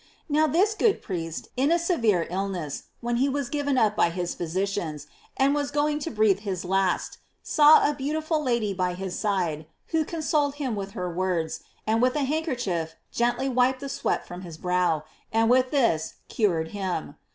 Now this good priest, in a severe illness, when he was given up by his physicians, and was going to breathe his last, saw a beauti ful lady by his side, who consoled him with her words, and with a handkerchief gently wiped the sweat from his brow, and with this cured him.